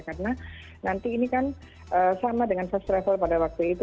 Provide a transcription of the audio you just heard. karena nanti ini kan sama dengan fast travel pada waktu itu